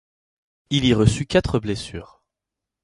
Il y reçut quatre blessures.